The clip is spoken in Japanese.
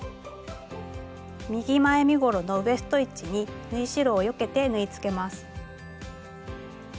右前身ごろのウエスト位置に縫い代をよけて縫いつけます。